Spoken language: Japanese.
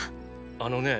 あのね